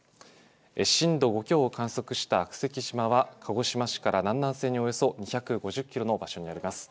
震度５強を観測した悪石島は鹿児島市から南南西におよそ１５０キロの場所られます。